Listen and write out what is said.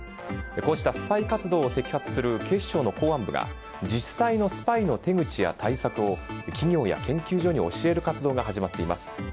こうしたスパイ活動を摘発する警視庁の公安部が実際のスパイの手口や対策を企業や研究所に教える活動が始まっています。